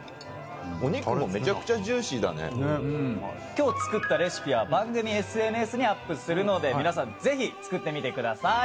今日作ったレシピは番組ＳＮＳにアップするので皆さんぜひ作ってみてください。